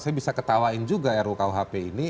saya bisa ketawain juga rukuhp ini